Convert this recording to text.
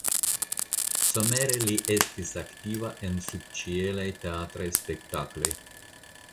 Somere li estis aktiva en subĉielaj teatraj spektakloj.